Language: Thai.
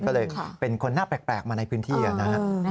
ก็เลยเป็นคนหน้าแปลกมาในพื้นที่นี่นะฮะ